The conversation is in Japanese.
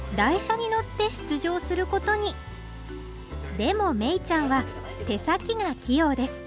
でも芽衣ちゃんは手先が器用です。